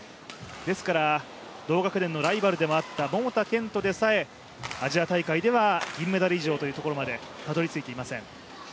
ですから、同学年でのライバルであった桃田賢斗でさえアジア大会では銀メダル以上というところまでたどりついていません。